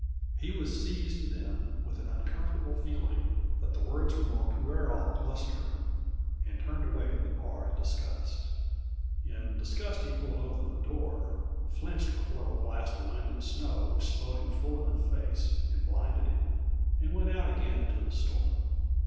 He was seized then with an uncomfortable feeling that the words were mere puerile blustering and turned away from the bar in disgust. In disgust he pulled open the door, flinched before the blast of wind and snow which smote him full in the face and blinded him, and went out again into the storm.